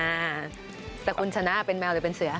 อ่าแต่คุณชนะเป็นแมวหรือเป็นเสือ